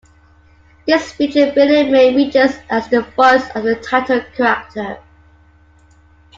This featured Billie Mae Richards as the voice of the title character.